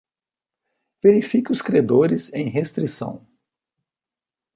Verifique os credores em restrição.